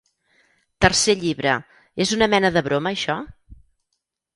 Tercer llibre, És una mena de broma això?